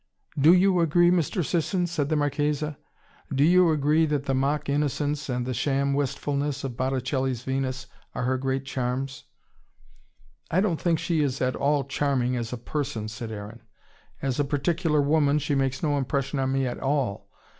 "DO you agree, Mr. Sisson?" said the Marchesa. "Do you agree that the mock innocence and the sham wistfulness of Botticelli's Venus are her great charms?" "I don't think she is at all charming, as a person," said Aaron. "As a particular woman, she makes no impression on me at all.